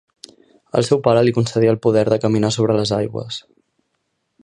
El seu pare li concedí el poder de caminar sobre les aigües.